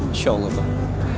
insya allah bang